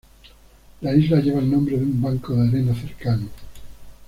La isla lleva el nombre de un banco de arena cercano.